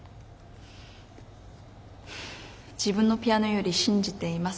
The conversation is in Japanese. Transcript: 自分のピアノより信じています。